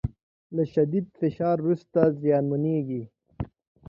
له شدید فشار وروسته زیانمنېږي